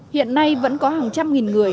hiện nay vẫn có hàng trăm nghìn người